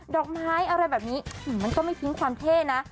ดอกไม้อะไรแบบนี้มันก็ไม่ทิ้งความเท่นะ